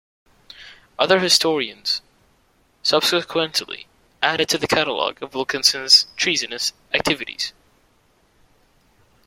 Other historians subsequently added to the catalog of Wilkinson's treasonous activities.